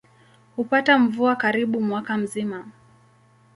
Hupata mvua karibu mwaka mzima.